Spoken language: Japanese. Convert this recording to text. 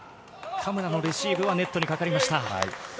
嘉村のレシーブがネットにかかりました。